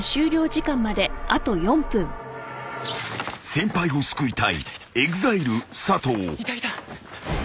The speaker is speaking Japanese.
［先輩を救いたいＥＸＩＬＥ佐藤］